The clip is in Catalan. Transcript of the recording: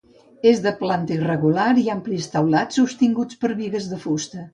És de planta irregular i amplis teulats sostinguts per bigues de fusta.